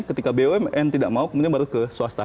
ketika bumn tidak mau kemudian baru ke swasta